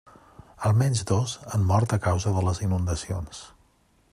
Almenys dos han mort a causa de les inundacions.